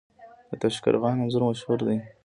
د تاشقرغان انځر مشهور دي